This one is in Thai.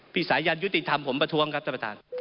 สายันยุติธรรมผมประท้วงครับท่านประธาน